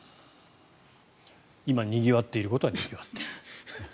今、にぎわっていることはにぎわっている。